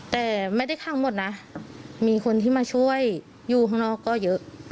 แต่ไม่ได้ข้างหมดนะมีคนที่มาช่วยอยู่ข้างนอกก็เยอะ